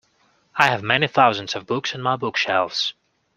I have many thousands of books on my bookshelves.